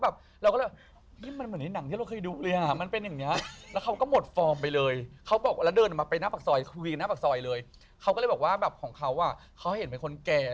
ไปทางหน้าแล้วเขาก็ไปจัดการทางหน้า